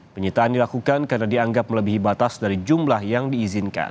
penyitaan dilakukan karena dianggap melebihi batas dari jumlah yang diizinkan